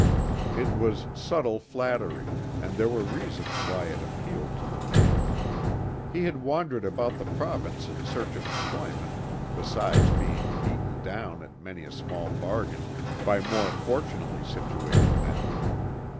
It was subtle flattery, and there were reasons why it appealed to the man. He had wandered about the province in search of employment, besides being beaten down at many a small bargain by more fortunately situated men.